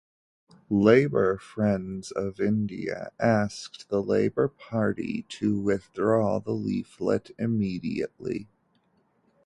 Labour Friends of India asked the Labour Party to withdraw the leaflet immediately.